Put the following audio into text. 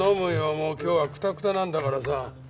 もう今日はクタクタなんだからさ。